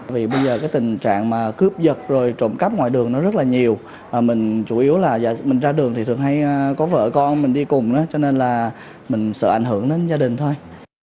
vì bây giờ cái tình trạng mà cướp giật rồi trộm cắp ngoài đường nó rất là nhiều mình chủ yếu là mình ra đường thì thường hay có vợ con mình đi cùng cho nên là mình sợ ảnh hưởng đến gia đình thôi